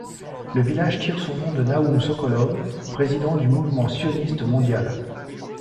Le village tire son nom de Nahum Sokolow, président du mouvement sioniste mondial.